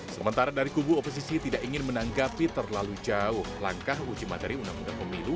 sementara dari kubu oposisi tidak ingin menanggapi terlalu jauh langkah uji materi undang undang pemilu